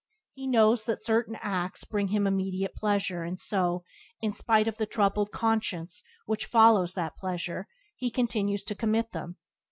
He knows that certain acts bring him immediate pleasure, and so, in spite of the troubled conscience which follows that pleasure, he continues to commit them.